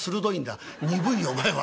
「鈍いよお前は。